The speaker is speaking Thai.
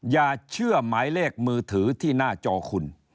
อย่าเชื่อหมายเลขมือถือที่หน้าจอคุณ